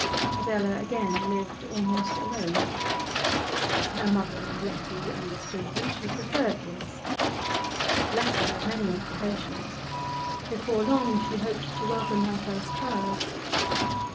Adela again lived almost alone. Her mother and Letty understood that she preferred this. Letty had many occupations; before long she hoped to welcome her first child.